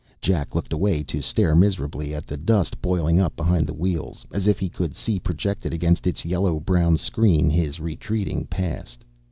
Jack looked away to stare miserably at the dust boiling up behind the wheels, as if he could see projected against its yellow brown screen his retreating past.